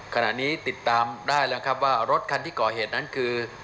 ขณะนี้ติดตามได้แล้วครับว่ารถคันที่ก่อเหตุนั้นคือ